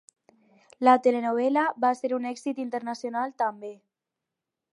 La telenovel·la va ser un èxit internacional, també.